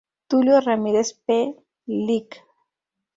Tulio Ramírez P., Lic.